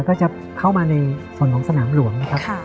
ก็จะเข้ามาในส่วนของสนามหลวงนะครับ